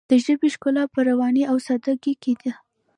د ژبې ښکلا په روانۍ او ساده ګۍ کې ده.